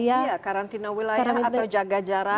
iya karantina wilayah atau jaga jarak